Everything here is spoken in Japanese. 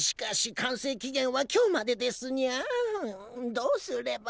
どうすれば。